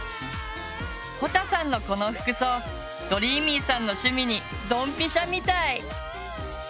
ほたさんのこの服装どりーみぃさんの趣味にドンピシャみたい！